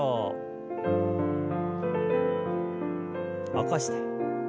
起こして。